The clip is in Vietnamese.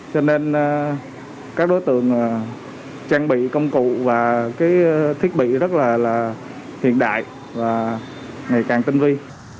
cho nên các đối tượng trang bị công cụ và thiết bị rất là hiện đại và ngày càng tinh vi